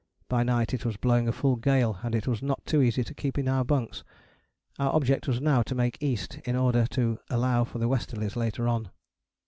By night it was blowing a full gale, and it was not too easy to keep in our bunks. Our object was now to make east in order to allow for the westerlies later on.